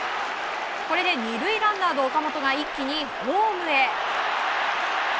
これで２塁ランナーの岡本が一気にホームへ。